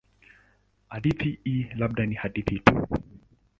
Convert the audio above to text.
Hadithi hii labda ni hadithi tu.